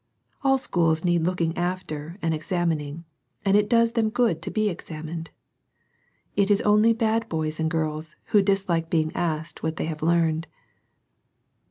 All schools need looking after and examining ; and it does them good to be examined. It is only bad boys and girls who dislike being asked what they have learned.